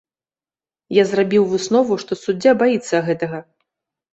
Я зрабіў выснову, што суддзя баіцца гэтага.